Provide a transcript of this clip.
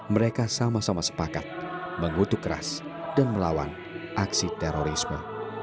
mereka sama sama sepakat mengutuk keras dan melawan aksi terorisme